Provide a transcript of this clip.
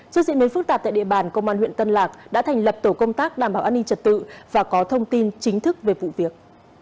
trước diễn biến phức tạp tại địa bàn công an huyện tân lạc đã thành lập tổ công tác đảm bảo an ninh trật tự và có thông tin chính thức về vụ việc